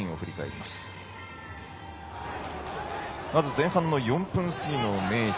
まず、前半の４分過ぎの明治。